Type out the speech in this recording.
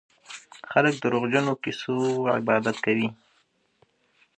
خلک د دروغجنو کيسو عبادت کوي.